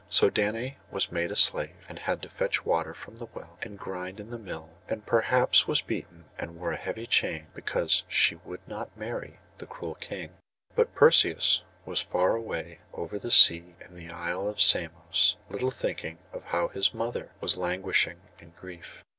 So Danae was made a slave, and had to fetch water from the well, and grind in the mill, and perhaps was beaten, and wore a heavy chain, because she would not marry that cruel king. But Perseus was far away over the seas in the isle of Samos, little thinking how his mother was languishing in grief.